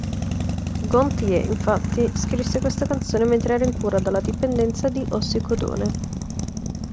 Gontier, infatti, scrisse questa canzone mentre era in cura dalla dipendenza di ossicodone.